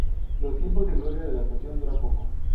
Los tiempos de gloria de la estación duraron poco.